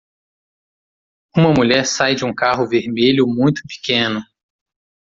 Uma mulher sai de um carro vermelho muito pequeno.